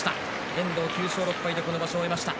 遠藤は９勝６敗で場所を割りました。